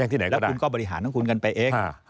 ทีเมื่อบริหารทั้งคูลกันไปเอง